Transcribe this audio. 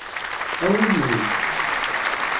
Awim wi.